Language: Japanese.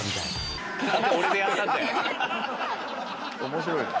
面白いな。